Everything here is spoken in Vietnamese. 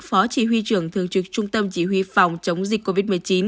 phó chỉ huy trưởng thường trực trung tâm chỉ huy phòng chống dịch covid một mươi chín